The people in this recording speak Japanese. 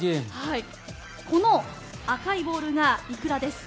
この赤いボールがイクラです。